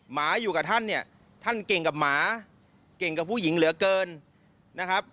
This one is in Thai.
หมาอยู่กับท่านเนี่ยท่านเก่งกับหมาเก่งกับผู้หญิงเหลือเกินนะครับ